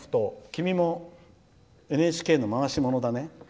君も、ＮＨＫの回し者だね。